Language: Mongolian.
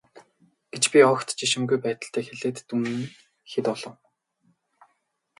гэж би огт жишимгүй байдалтай хэлээд дүн нь хэд болов.